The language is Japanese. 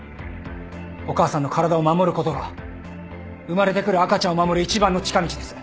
お母さんの体を守ることが生まれてくる赤ちゃんを守る一番の近道です。